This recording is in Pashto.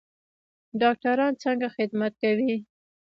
ډاکټران څنګه خدمت کوي؟